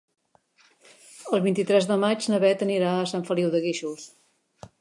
El vint-i-tres de maig na Bet anirà a Sant Feliu de Guíxols.